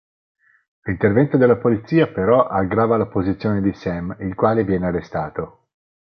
L'intervento della polizia però aggrava la posizione di Sam, il quale viene arrestato.